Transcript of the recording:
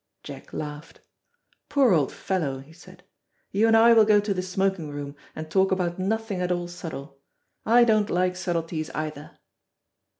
Jack laughed. "Poor old fellow," he said, "you and I will go to the smoking room, and talk about nothing at all subtle. I don't like subtleties either."